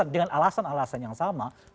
dengan alasan alasan yang sama mesti kita mengkritik